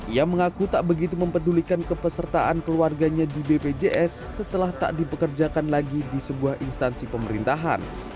ia mengaku tak begitu mempedulikan kepesertaan keluarganya di bpjs setelah tak dipekerjakan lagi di sebuah instansi pemerintahan